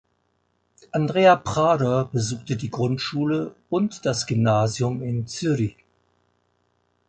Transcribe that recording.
Andrea Prader besuchte die Grundschule und das Gymnasium in Zürich.